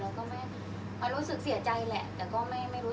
อันไหนที่มันไม่จริงแล้วอาจารย์อยากพูด